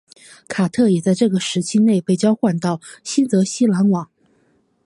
卡特也在这个时期内被交换到新泽西篮网。